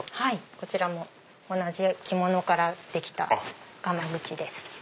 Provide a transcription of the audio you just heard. こちらも同じ着物からできたがまぐちです。